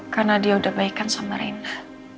karena dia udah baikan sama reina